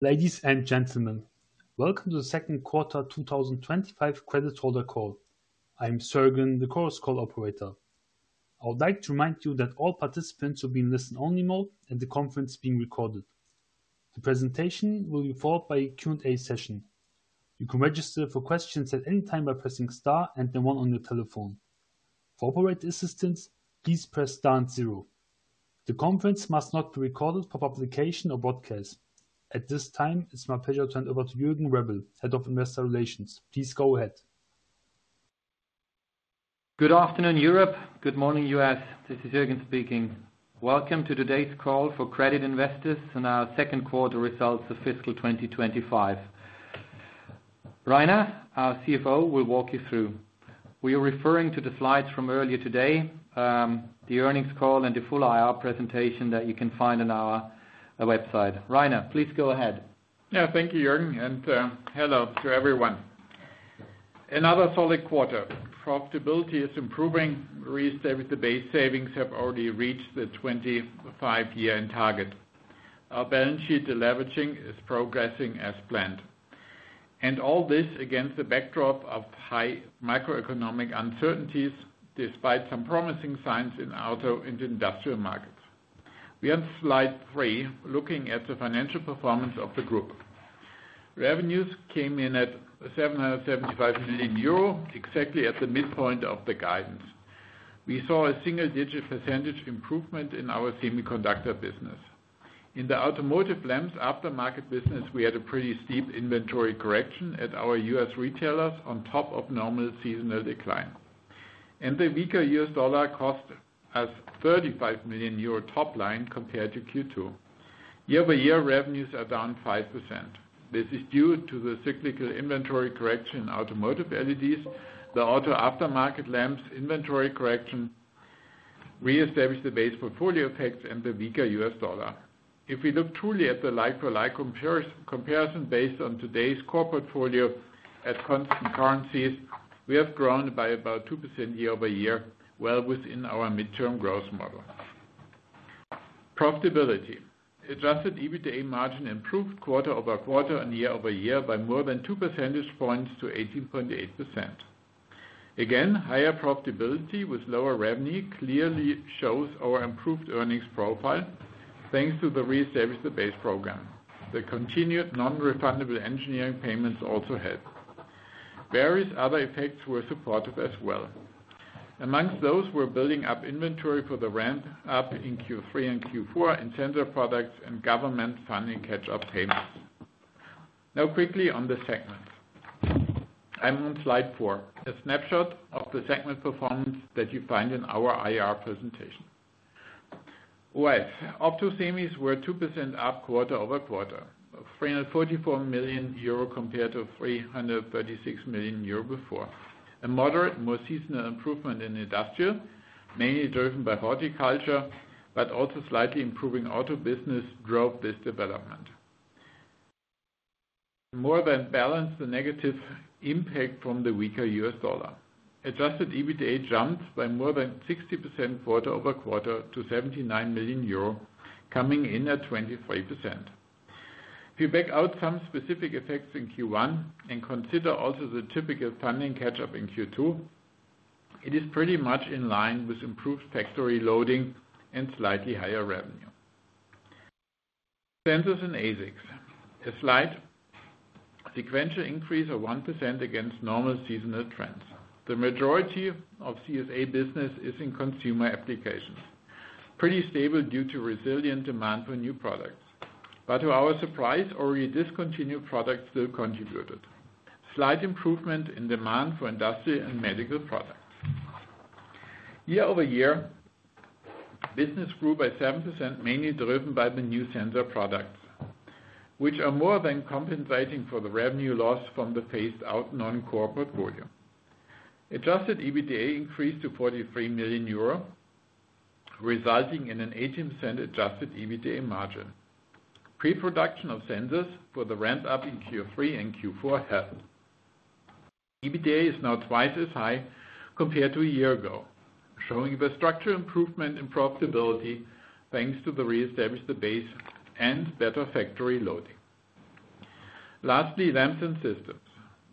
Ladies and gentlemen, welcome to the second quarter 2025 credit holder call. I'm Sergean, the course call operator. I would like to remind you that all participants will be in listen-only mode and the conference is being recorded. The presentation will be followed by a Q&A session. You can register for questions at any time by pressing star and the one on your telephone. For operator assistance, please press star and zero. The conference must not be recorded for publication or broadcast. At this time, it's my pleasure to hand over to Jürgen Rebel, Head of Investor Relations. Please go ahead. Good afternoon, Europe. Good morning, U.S. This is Jürgen Rebel speaking. Welcome to today's call for credit investors and our second quarter results of fiscal 2025. Rainer, our CFO, will walk you through. We are referring to the slides from earlier today, the earnings call, and the full IR presentation that you can find on our website. Rainer, please go ahead. Yeah, thank you, Jürgen, and hello to everyone. Another solid quarter. Profitability is improving. Reestablish the base savings have already reached the 2025 year-end target. Our balance sheet deleveraging is progressing as planned. All this is against the backdrop of high macroeconomic uncertainties despite some promising signs in the auto and industrial markets. We are on slide three, looking at the financial performance of the group. Revenues came in at 775 million euro, exactly at the midpoint of the guidance. We saw a single-digit percentage improvement in our semiconductor business. In the automotive lens aftermarket business, we had a pretty steep inventory correction at our U.S. retailers on top of normal seasonal decline. The weaker U.S. dollar cost us 35 million euro top line compared to Q2. Year-over-year revenues are down 5%. This is due to the cyclical inventory correction in automotive LEDs, the auto aftermarket lens inventory correction, reestablish the base portfolio effects, and the weaker U.S. dollar. If we look truly at the like-for-like comparison based on today's core portfolio at constant currencies, we have grown by about 2% year-over-year, well within our midterm growth model. Profitability. Adjusted EBITDA margin improved quarter-over-quarter and year-over-year by more than two percentage points to 18.8%. Again, higher profitability with lower revenue clearly shows our improved earnings profile, thanks to the reestablish the base program. The continued non-refundable engineering payments also help. Various other effects were supportive as well. Amongst those were building up inventory for the ramp-up in Q3 and Q4, incentive products, and government funding catch-up payments. Now quickly on the segments. I'm on slide four, a snapshot of the segment performance that you find in our IR presentation. All right, Opto Semis were 2% up quarter-over-quarter, 344 million euro compared to 336 million euro before. A moderate, more seasonal improvement in industrial, mainly driven by horticulture but also slightly improving auto business, drove this development. This more than balanced the negative impact from the weaker U.S. dollar. Adjusted EBITDA jumped by more than 60% quarter-over-quarter to 79 million euro, coming in at 23%. If you back out some specific effects in Q1 and consider also the typical funding catch-up in Q2, it is pretty much in line with improved factory loading and slightly higher revenue. Sensors and ASICs. A slight sequential increase of 1% against normal seasonal trends. The majority of CSA business is in consumer applications. Pretty stable due to resilient demand for new products. To our surprise, already discontinued products still contributed. Slight improvement in demand for industrial and medical products. Year-over-year, business grew by 7%, mainly driven by the new sensor products, which are more than compensating for the revenue loss from the phased-out non-core portfolio. Adjusted EBITDA increased to 43 million euro, resulting in an 18% adjusted EBITDA margin. Pre-production of sensors for the ramp-up in Q3 and Q4 hasn't. EBITDA is now twice as high compared to a year ago, showing the structural improvement in profitability thanks to the reestablish the base and better factory loading. Lastly, Lamps and Systems.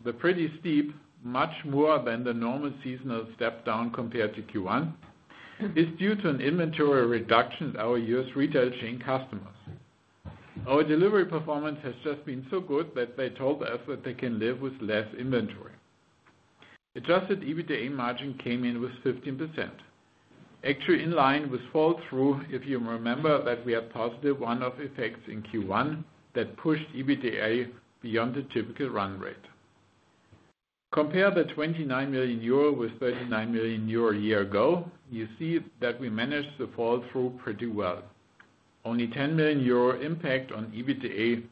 The pretty steep, much more than the normal seasonal step down compared to Q1, is due to an inventory reduction at our U.S. retail chain customers. Our delivery performance has just been so good that they told us that they can live with less inventory. Adjusted EBITDA margin came in with 15%. Actually, in line with fall-through, if you remember that we had positive one-off effects in Q1 that pushed EBITDA beyond the typical run rate. Compare the 29 million euro with 39 million euro a year ago, you see that we managed to fall through pretty well. Only 10 million euro impact on EBITDA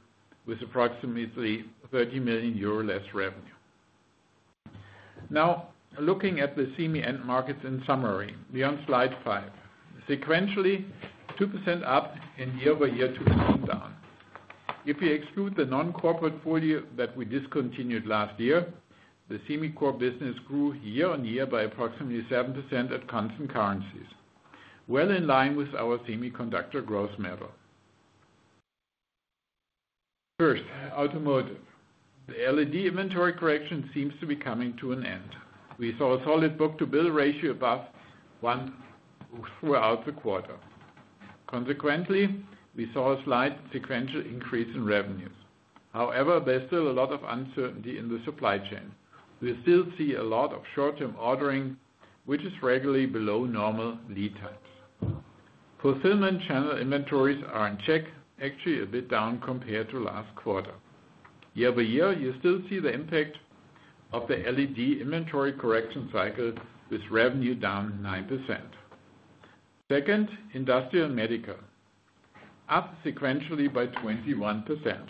with approximately 30 million euro less revenue. Now, looking at the semi-end markets in summary, we are on slide five. Sequentially, 2% up and year-over-year 2% down. If we exclude the non-core portfolio that we discontinued last year, the semi-core business grew year-on-year by approximately 7% at constant currencies. In line with our semiconductor growth model. First, automotive. The LED inventory correction seems to be coming to an end. We saw a solid book-to-bill ratio above one throughout the quarter. Consequently, we saw a slight sequential increase in revenue. However, there's still a lot of uncertainty in the supply chain. We still see a lot of short-term ordering, which is regularly below normal lead times. Fulfillment channel inventories are in check, actually a bit down compared to last quarter. Year-over-year, you still see the impact of the LED inventory correction cycle with revenue down 9%. Second, industrial and medical. Up sequentially by 21%.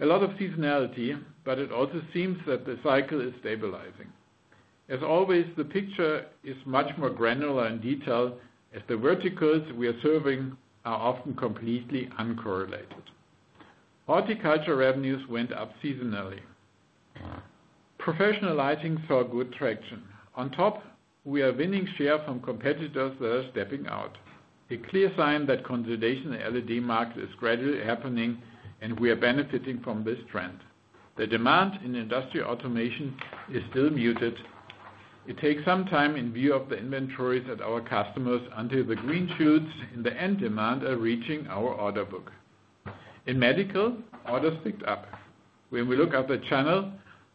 A lot of seasonality, but it also seems that the cycle is stabilizing. As always, the picture is much more granular in detail as the verticals we are serving are often completely uncorrelated. Horticulture revenues went up seasonally. Professional lighting saw good traction. On top, we are winning share from competitors that are stepping out. A clear sign that consolidation in the LED market is gradually happening and we are benefiting from this trend. The demand in industrial automation is still muted. It takes some time in view of the inventories at our customers until the green shields in the end demand are reaching our order book. In medical, orders picked up. When we look at the channel,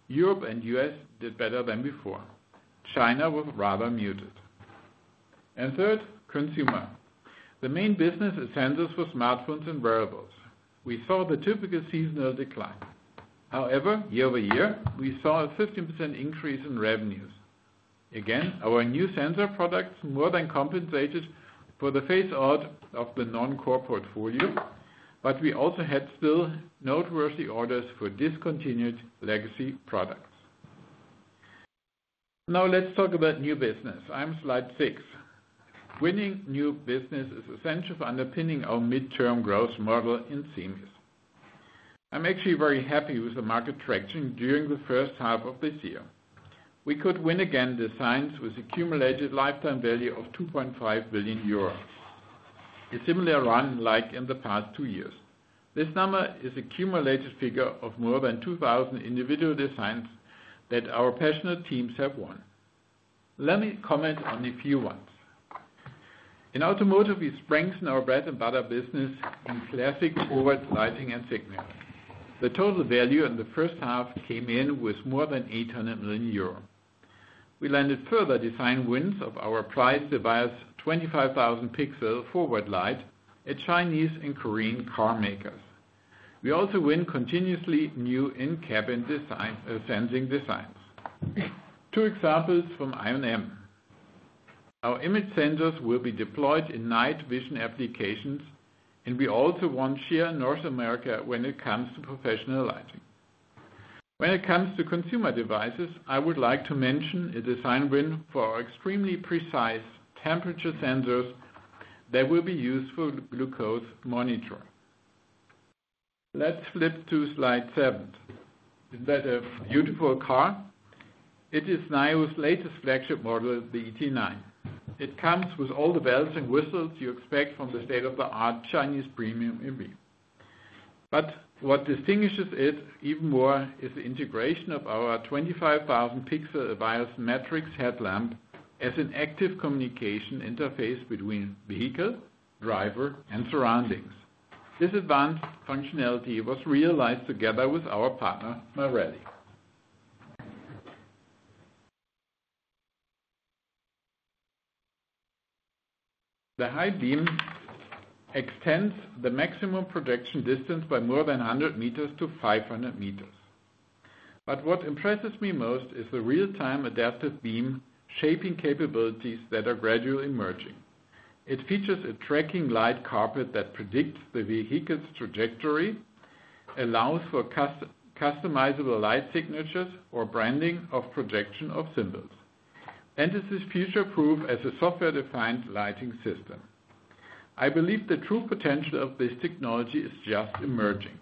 Europe and U.S. did better than before. China was rather muted. Third, consumer. The main business is sensors for smartphones and wearables. We saw the typical seasonal decline. However, year-over-year, we saw a 15% increase in revenues. Again, our new sensor products more than compensated for the phased-out of the non-core portfolio, but we also had still noteworthy orders for discontinued legacy products. Now let's talk about new business. I'm on slide six. Winning new business is essential for underpinning our mid-term growth model in ams OSRAM. I'm actually very happy with the market traction during the first half of this year. We could win again designs with a cumulated lifetime value of 2.5 billion euros. A similar run like in the past two years. This number is a cumulated figure of more than 2,000 individual designs that our passionate teams have won. Let me comment on a few ones. In automotive, we strengthened our bread-and-butter business in classic forward lighting and signaling. The total value in the first half came in with more than 800 million euro. We landed further design wins of our prized device, 25,000 pixel forward light at Chinese and Korean car makers. We also win continuously new in-cabin sensing designs. Two examples from IonM. Our image sensors will be deployed in night vision applications, and we also won share in North America when it comes to professional lighting. When it comes to consumer devices, I would like to mention a design win for our extremely precise temperature sensors that will be used for glucose monitoring. Let's flip to slide seven. Isn't that a beautiful car? It is Nio's latest flagship model, the ET9. It comes with all the bells and whistles you expect from the state-of-the-art Chinese premium EV. What distinguishes it even more is the integration of our 25,000 pixel available matrix headlamp as an active communication interface between vehicle, driver, and surroundings. This advanced functionality was realized together with our partner Meredi. The high beam extends the maximum projection distance by more than 100 m-500 m. What impresses me most is the real-time adaptive beam shaping capabilities that are gradually emerging. It features a tracking light carpet that predicts the vehicle's trajectory, allows for customizable light signatures or branding of projection of symbols. This is future-proof as a software-defined lighting system. I believe the true potential of this technology is just emerging.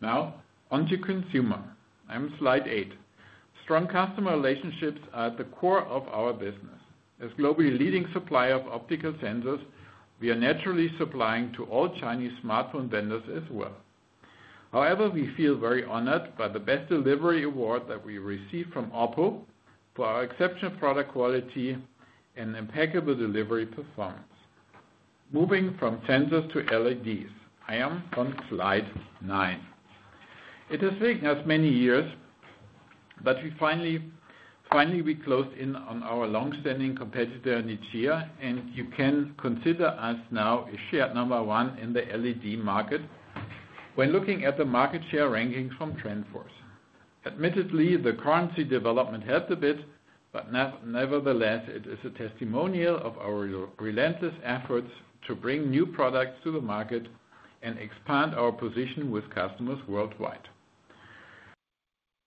Now, on to consumer. I'm on slide eight. Strong customer relationships are at the core of our business. As a globally leading supplier of optical sensors, we are naturally supplying to all Chinese smartphone vendors as well. We feel very honored by the best delivery award that we received from OPPO for our exceptional product quality and impeccable delivery performance. Moving from sensors to LEDs, I am on slide nine. It has taken us many years, but finally, we closed in on our long-standing competitor Nichia, and you can consider us now a shared number one in the LED market when looking at the market share rankings from TrendForce. Admittedly, the currency development helped a bit, but nevertheless, it is a testimonial of our relentless efforts to bring new products to the market and expand our position with customers worldwide.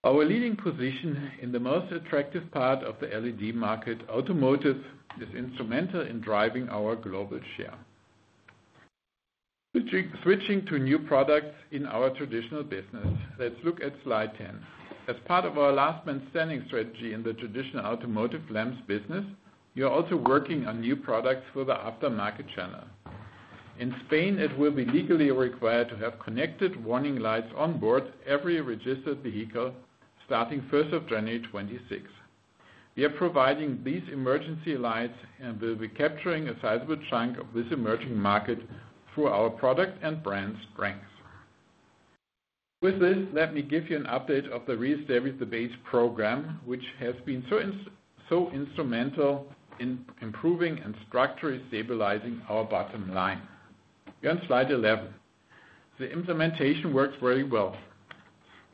Our leading position in the most attractive part of the LED market, automotive, is instrumental in driving our global share. Switching to new products in our traditional business, let's look at slide 10. As part of our last man standing strategy in the traditional automotive lens business, we are also working on new products for the aftermarket channel. In Spain, it will be legally required to have connected warning lights on board every registered vehicle starting January 1, 2026. We are providing these emergency lights and will be capturing a sizable chunk of this emerging market through our product and brand strengths. With this, let me give you an update of the reestablish the base program, which has been so instrumental in improving and structurally stabilizing our bottom line. We are on slide 11. The implementation works very well.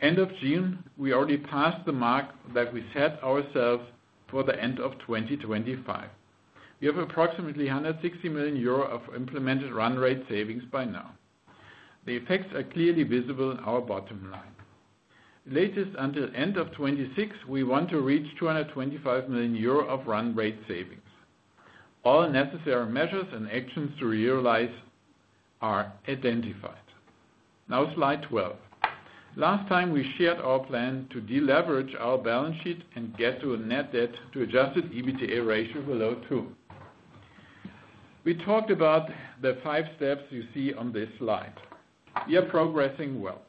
End of June, we already passed the mark that we set ourselves for the end of 2025. We have approximately 160 million euro of implemented run-rate savings by now. The effects are clearly visible in our bottom line. The latest until the end of 2026, we want to reach 225 million euro of run-rate savings. All necessary measures and actions to realize are identified. Now slide 12. Last time, we shared our plan to deleverage our balance sheet and get to a net debt to adjusted EBITDA ratio below two. We talked about the five steps you see on this slide. We are progressing well.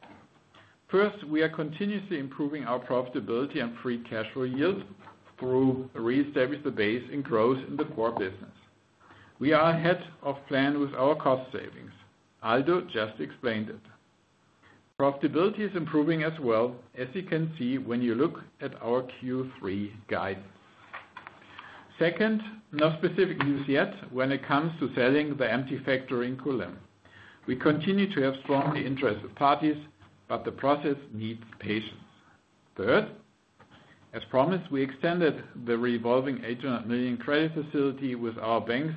First, we are continuously improving our profitability and free cash flow yields through reestablish the base and growth in the core business. We are ahead of plan with our cost savings. Aldo just explained it. Profitability is improving as well, as you can see when you look at our Q3 guidance. Second, no specific news yet when it comes to selling the empty factory in Kulen. We continue to have strong interests of parties, but the process needs patience. Third, as promised, we extended the revolving 800 million credit facility with our banks,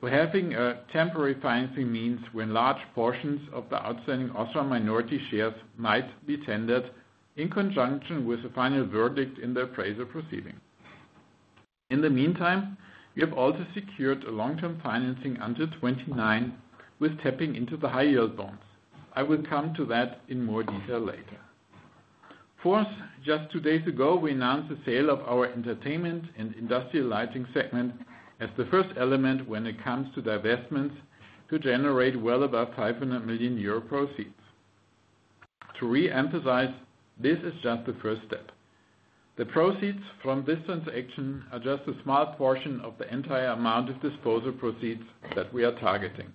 so having a temporary financing means when large portions of the outstanding OSRAM minority shares might be tendered in conjunction with the final verdict in the appraisal proceeding. In the meantime, we have also secured a long-term financing until 2029 with tapping into the high-yield bonds. I will come to that in more detail later. Fourth, just two days ago, we announced the sale of our entertainment and industrial lighting segment as the first element when it comes to divestments to generate well above 500 million euro proceeds. To reemphasize, this is just the first step. The proceeds from this transaction are just a small portion of the entire amount of disposal proceeds that we are targeting.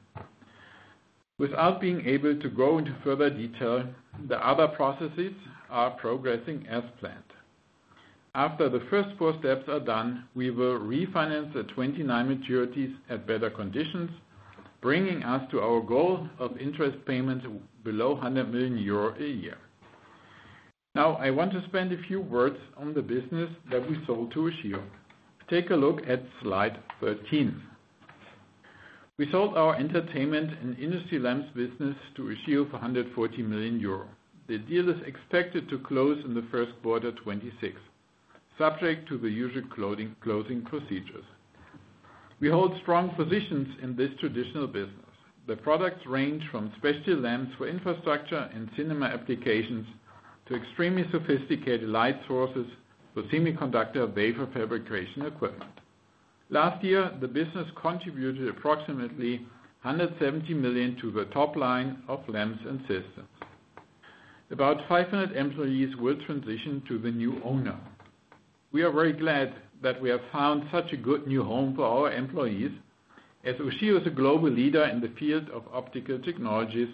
Without being able to go into further detail, the other processes are progressing as planned. After the first four steps are done, we will refinance the 2029 maturities at better conditions, bringing us to our goal of interest payments below 100 million euro a year. Now, I want to spend a few words on the business that we sold to Oshio. Take a look at slide 13. We sold our entertainment and industry lamps business to Oshio for 140 million euro. The deal is expected to close in the first quarter of 2026, subject to the usual closing procedures. We hold strong positions in this traditional business. The products range from specialty lamps for infrastructure and cinema applications to extremely sophisticated light sources for semiconductor vapor fabrication equipment. Last year, the business contributed approximately 170 million to the top line of Lamps and Systems. About 500 employees will transition to the new owner. We are very glad that we have found such a good new home for our employees, as Oshio is a global leader in the field of optical technologies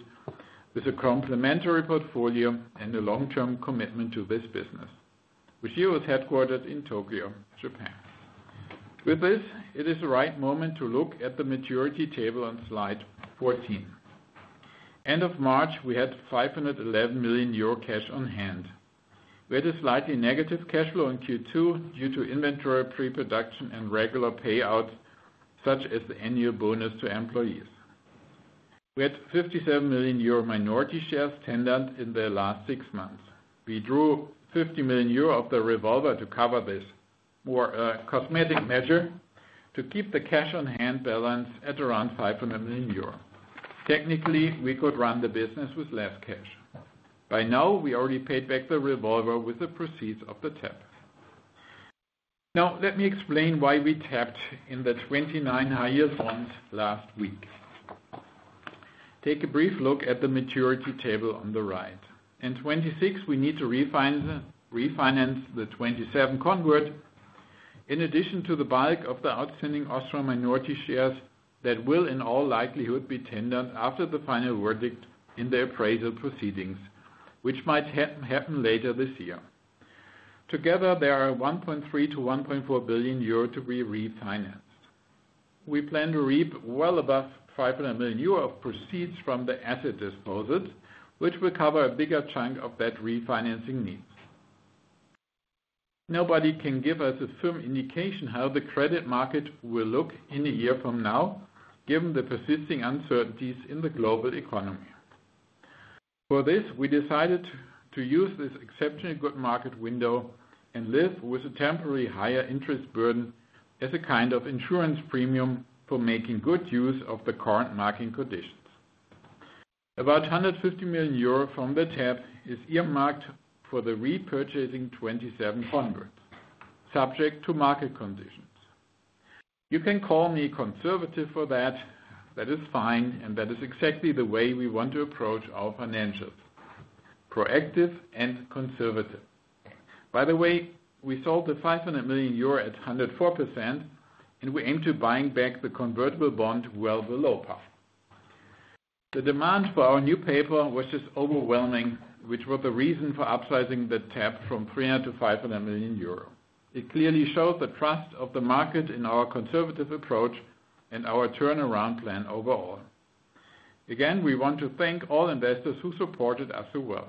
with a complementary portfolio and a long-term commitment to this business. Oshio is headquartered in Tokyo, Japan. With this, it is the right moment to look at the maturity table on slide 14. End of March, we had 511 million euro cash on hand. We had a slightly negative cash flow in Q2 due to inventory pre-production and regular payouts, such as the annual bonus to employees. We had 57 million euro minority shares tendered in the last six months. We drew 50 million euro of the revolver to cover this, more a cosmetic measure, to keep the cash on hand balance at around 500 million euro. Technically, we could run the business with less cash. By now, we already paid back the revolver with the proceeds of the taps. Now, let me explain why we tapped in the 2029 high-yield bonds last week. Take a brief look at the maturity table on the right. In 2026, we need to refinance the 2027 convert, in addition to the bulk of the outstanding Osram minority shares that will in all likelihood be tendered after the final verdict in the appraisal proceedings, which might happen later this year. Together, there are 1.3 billion-1.4 billion euro to be refinanced. We plan to reap well above 500 million euro of proceeds from the asset disposals, which will cover a bigger chunk of that refinancing needs. Nobody can give us a firm indication how the credit market will look in a year from now, given the persisting uncertainties in the global economy. For this, we decided to use this exceptionally good market window and live with a temporary higher interest burden as a kind of insurance premium for making good use of the current market conditions. About 150 million euro from the tap is earmarked for the repurchasing 2027 converts, subject to market conditions. You can call me conservative for that. That is fine, and that is exactly the way we want to approach our financials. Proactive and conservative. By the way, we sold the 500 million euro at 104%, and we aim to buy back the convertible bond well below par. The demand for our new paper was just overwhelming, which was the reason for upsizing the tap from 300 million-500 million euro. It clearly shows the trust of the market in our conservative approach and our turnaround plan overall. Again, we want to thank all investors who supported us so well.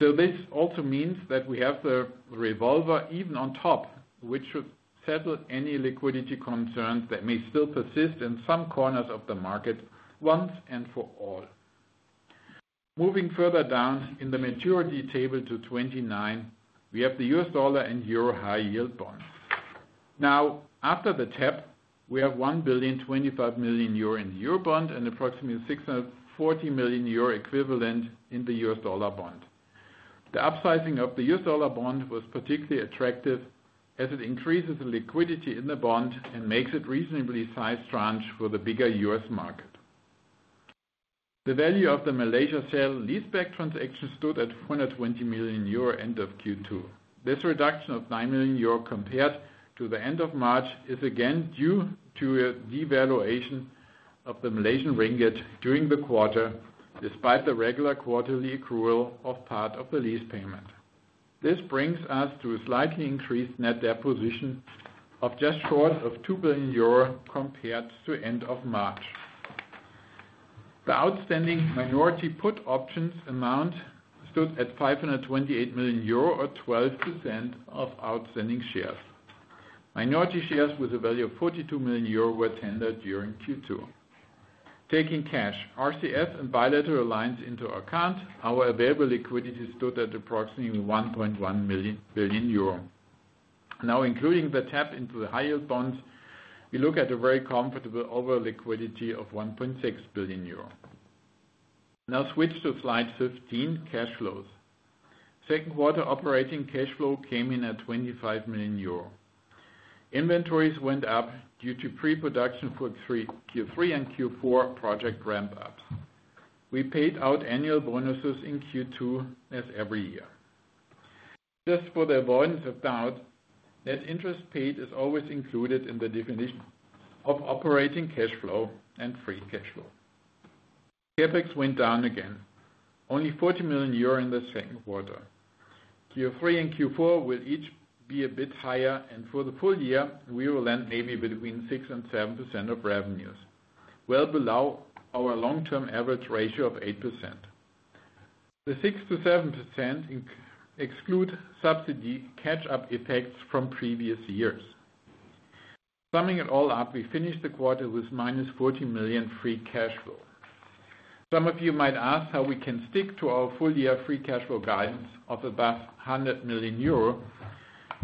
This also means that we have the revolver even on top, which should settle any liquidity concerns that may still persist in some corners of the market once and for all. Moving further down in the maturity table to 2029, we have the U.S. dollar and euro high-yield bonds. Now, after the tap, we have 1.25 billion in the euro bond and approximately 640 million euro equivalent in the U.S. dollar bond. The upsizing of the U.S. dollar bond was particularly attractive as it increases the liquidity in the bond and makes it a reasonably sized tranche for the bigger U.S. market. The value of the Malaysia sale leaseback transaction stood at 120 million euro at the end of Q2. This reduction of 9 million euro compared to the end of March is again due to a devaluation of the Malaysian ringgit during the quarter, despite the regular quarterly accrual of part of the lease payment. This brings us to a slightly increased net debt position of just short of 2 billion euro compared to the end of March. The outstanding minority put options amount stood at 528 million euro or 12% of outstanding shares. Minority shares with a value of 42 million euros were tendered during Q2. Taking cash, RCF, and bilateral lines into account, our available liquidity stood at approximately 1.1 billion euro. Now, including the tap into the high-yield bonds, we look at a very comfortable overall liquidity of 1.6 billion euro. Now, switch to slide 15, cash flows. Second quarter operating cash flow came in at 25 million euro. Inventories went up due to pre-production for Q3 and Q4 project ramp-ups. We paid out annual bonuses in Q2 as every year. Just for the avoidance of doubt, net interest paid is always included in the definition of operating cash flow and free cash flow. CapEx went down again, only 40 million euro in the second quarter. Q3 and Q4 will each be a bit higher, and for the full year, we will land maybe between 6% and 7% of revenues, well below our long-term average ratio of 8%. The 6%-7% excludes subsidy catch-up effects from previous years. Summing it all up, we finished the quarter with -14 million free cash flow. Some of you might ask how we can stick to our full-year free cash flow guidance of above 100 million euro,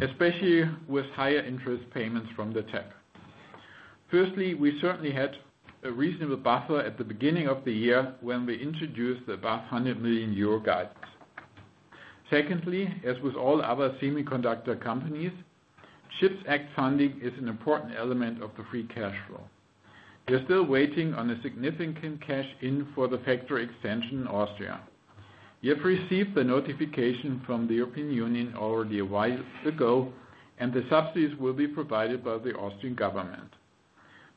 especially with higher interest payments from the tap. Firstly, we certainly had a reasonable buffer at the beginning of the year when we introduced the above 100 million euro guidance. Secondly, as with all other semiconductor companies, CHIPS Act funding is an important element of the free cash flow. We are still waiting on a significant cash-in for the factory extension in Austria. We have received the notification from the European Union already a while ago, and the subsidies will be provided by the Austrian government.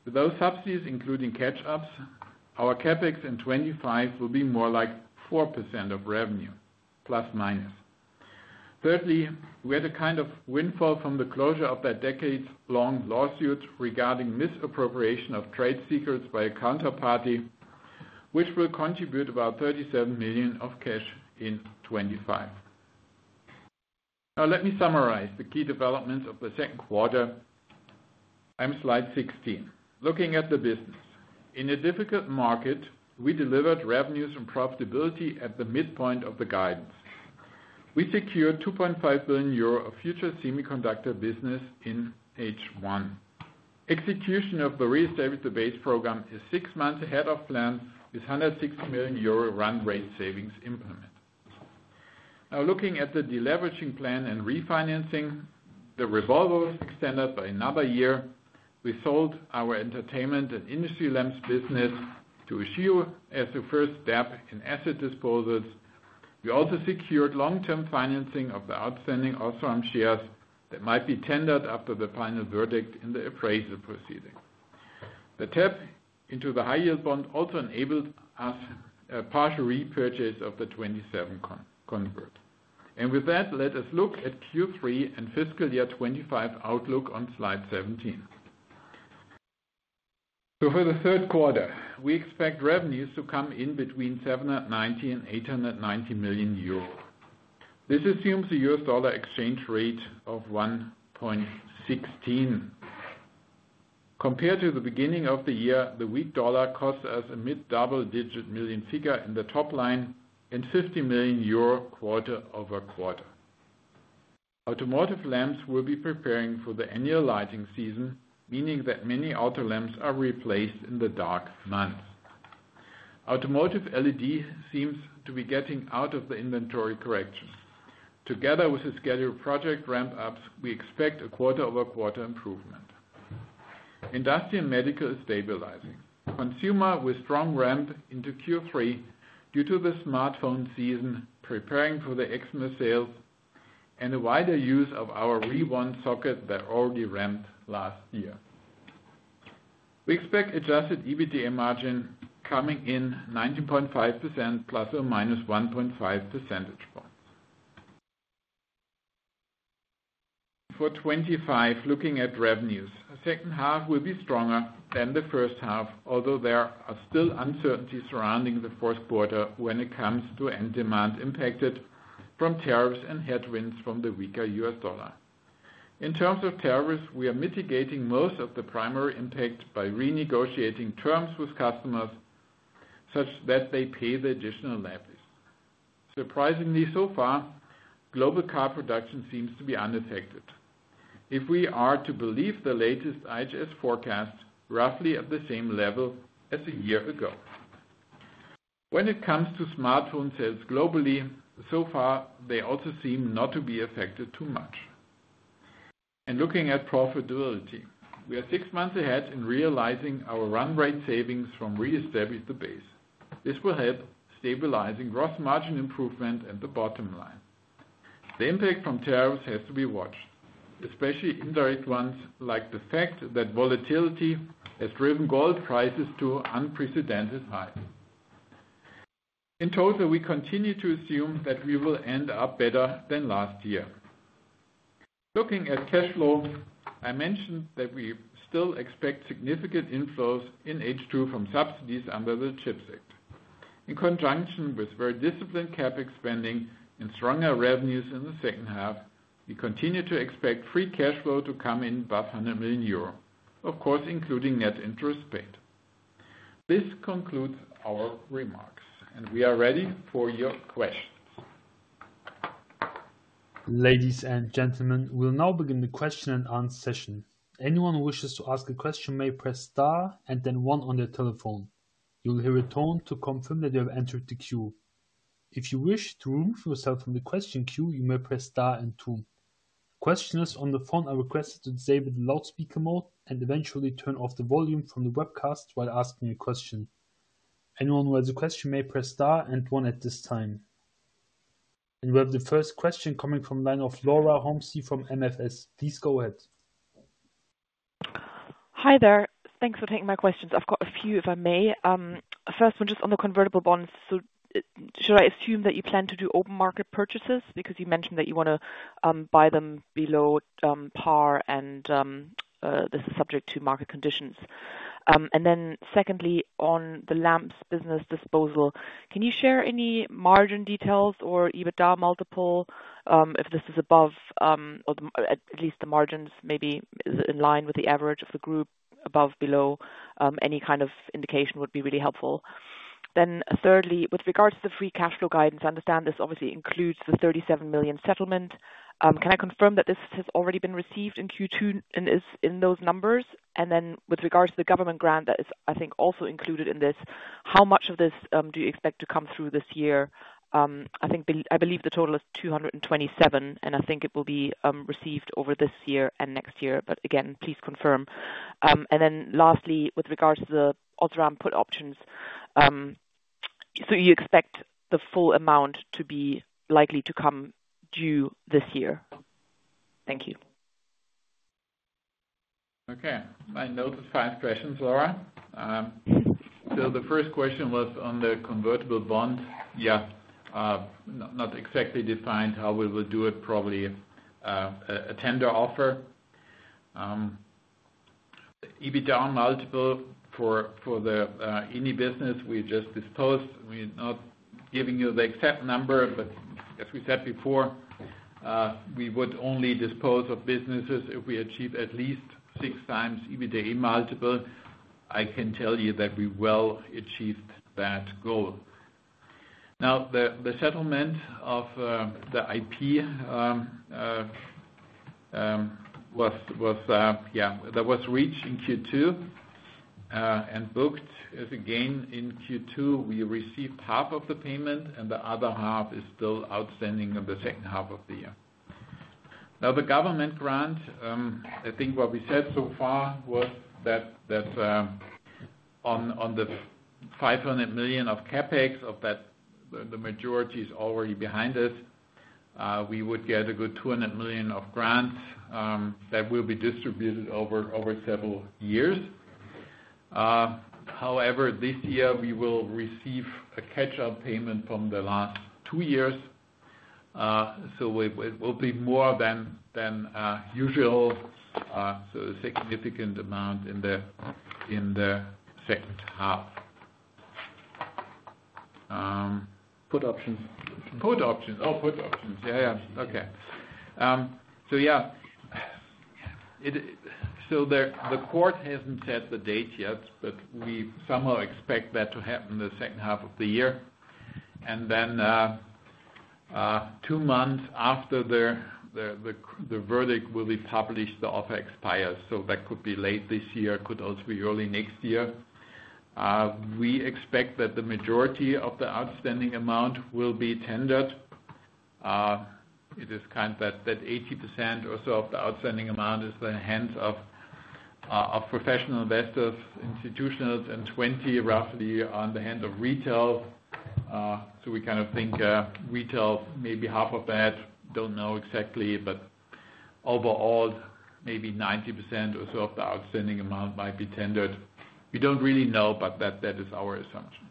With those subsidies, including catch-ups, our CapEx in 2025 will be more like 4% of revenue, plus minus. Thirdly, we had a kind of windfall from the closure of that decades-long lawsuit regarding misappropriation of trade secrets by a counterparty, which will contribute about 37 million of cash in 2025. Now, let me summarize the key developments of the second quarter. I'm on slide 16. Looking at the business, in a difficult market, we delivered revenues and profitability at the midpoint of the guidance. We secured 2.5 billion euro of future semiconductor business in H1. Execution of the reestablish the base program is six months ahead of plan with 160 million euro run-rate savings implemented. Now, looking at the deleveraging plan and refinancing, the revolver was extended by another year. We sold our entertainment and industry lamps business to Oshio as the first step in asset disposals. We also secured long-term financing of the outstanding Osram shares that might be tendered after the final verdict in the appraisal proceeding. The tap into the high-yield bond also enabled us a partial repurchase of the 2027 convert. With that, let us look at Q3 and fiscal year 2025 outlook on slide 17. For the third quarter, we expect revenues to come in between 790 million and 890 million euros. This assumes a U.S. dollar exchange rate of 1.16. Compared to the beginning of the year, the weak dollar costs us a mid-double-digit million figure in the top line and 50 million euro quarter-over-quarter. Automotive lamps will be preparing for the annual lighting season, meaning that many auto lamps are replaced in the dark months. Automotive LED seems to be getting out of the inventory correction. Together with the scheduled project ramp-ups, we expect a quarter-over-quarter improvement. Industry and medical is stabilizing. Consumer with strong ramp into Q3 due to the smartphone season preparing for the Exmo sales and a wider use of our rewind socket that already ramped last year. We expect adjusted EBITDA margin coming in 19.5% ±1.5%. For 2025, looking at revenues, the second half will be stronger than the first half, although there are still uncertainties surrounding the first quarter when it comes to end demand impacted from tariffs and headwinds from the weaker U.S. dollar. In terms of tariffs, we are mitigating most of the primary impact by renegotiating terms with customers such that they pay the additional levies. Surprisingly, so far, global car production seems to be unaffected. If we are to believe the latest IGS forecast, roughly at the same level as a year ago. When it comes to smartphone sales globally, so far, they also seem not to be affected too much. Looking at profitability, we are six months ahead in realizing our run-rate savings from reestablish the base. This will help stabilizing gross margin improvement and the bottom line. The impact from tariffs has to be watched, especially indirect ones like the fact that volatility has driven gold prices to unprecedented heights. In total, we continue to assume that we will end up better than last year. Looking at cash flow, I mentioned that we still expect significant inflows in H2 from subsidies under the CHIPS Act. In conjunction with very disciplined CapEx spending and stronger revenues in the second half, we continue to expect free cash flow to come in above 100 million euro, of course, including net interest paid. This concludes our remarks, and we are ready for your questions. Ladies and gentlemen, we'll now begin the question-and-answer session. Anyone who wishes to ask a question may press star and then one on their telephone. You will hear a tone to confirm that you have entered the queue. If you wish to remove yourself from the question queue, you may press star and two. Questioners on the phone are requested to disable the loudspeaker mode and eventually turn off the volume from the webcast while asking your question. Anyone who has a question may press star and one at this time. We have the first question coming from the line of Laura Holmsy from MFS. Please go ahead. Hi there. Thanks for taking my questions. I've got a few, if I may. First, just on the convertible bonds. Should I assume that you plan to do open market purchases because you mentioned that you want to buy them below par and this is subject to market conditions? Secondly, on the lamps business disposal, can you share any margin details or EBITDA multiple, if this is above or at least the margins maybe is in line with the average of the group, above or below? Any kind of indication would be really helpful. Thirdly, with regards to the free cash flow guidance, I understand this obviously includes the 37 million settlement. Can I confirm that this has already been received in Q2 and is in those numbers? With regards to the government grant that is, I think, also included in this, how much of this do you expect to come through this year? I believe the total is 227 million, and I think it will be received over this year and next year, but again, please confirm. Lastly, with regards to the Osram put options, do you expect the full amount to be likely to come due this year? Thank you. Okay. I noticed five questions, Laura. The first question was on the convertible bond. Yeah, not exactly defined how we will do it, probably a tender offer. EBITDA multiple for any business we just dispose, we're not giving you the exact number, but as we said before, we would only dispose of businesses if we achieve at least 6x EBITDA multiple. I can tell you that we well achieved that goal. Now, the settlement of the IP was, yeah, that was reached in Q2 and booked as again in Q2. We received half of the payment, and the other half is still outstanding in the second half of the year. Now, the government grant, I think what we said so far was that on the 500 million of CapEx, the majority is already behind us. We would get a good 200 million of grant that will be distributed over several years. However, this year, we will receive a catch-up payment from the last two years. It will be more than usual, so a significant amount in the second half. Put options. Put options. Oh, put options. Yeah, yeah. Okay. The court hasn't set the date yet, but we somehow expect that to happen in the second half of the year. Two months after the verdict will be published, the offer expires. That could be late this year, could also be early next year. We expect that the majority of the outstanding amount will be tendered. It is kind of that 80% or so of the outstanding amount is in the hands of professional investors, institutionals, and 20% roughly in the hand of retail. We kind of think retail maybe half of that, don't know exactly, but overall, maybe 90% or so of the outstanding amount might be tendered. We don't really know, but that is our assumption.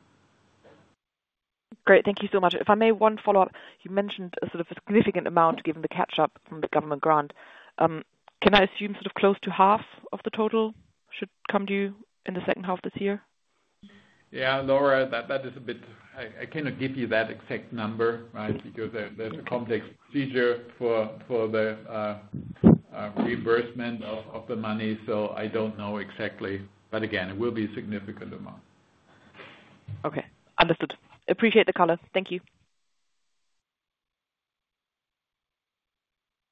Great. Thank you so much. If I may, one follow-up. You mentioned a sort of a significant amount given the catch-up from the government grant. Can I assume sort of close to half of the total should come to you in the second half of this year? Yeah, Laura, that is a bit, I cannot give you that exact number, right, because that's a complex procedure for the reimbursement of the money. I don't know exactly. Again, it will be a significant amount. Okay. Understood. Appreciate the color. Thank you.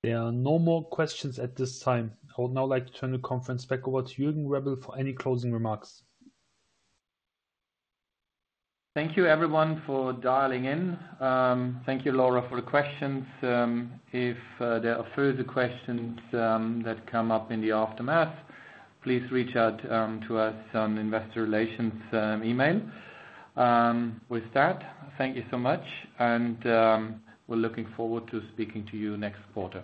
There are no more questions at this time. I would now like to turn the conference back over to Jürgen Rebel for any closing remarks. Thank you, everyone, for dialing in. Thank you, Laura, for the questions. If there are further questions that come up in the aftermath, please reach out to us on the investor relations email. With that, thank you so much, and we're looking forward to speaking to you next quarter.